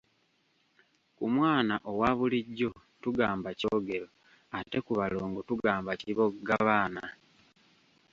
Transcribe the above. Ku mwana owa bulijjo tugamba kyogero, ate ku balongo tugamba kiboggabaana.